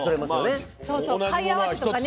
そうそう貝合わせとかね。